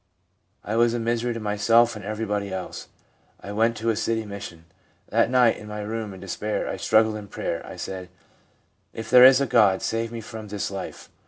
I was a misery to myself and everybody else. I went to a city mission. That night, in my room, in despair, I struggled in prayer. I said, "If there is a God, save me from this life